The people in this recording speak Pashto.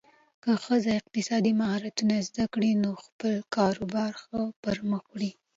که ښځه اقتصادي مهارتونه زده کړي، نو خپل کاروبار ښه پرمخ وړي.